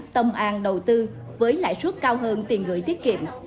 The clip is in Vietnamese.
tông an đầu tư với lãi suất cao hơn tiền gửi tiết kiệm